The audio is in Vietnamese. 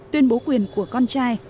tuyên bố quyền của con trai